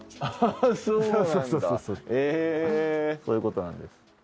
そういうことなんです。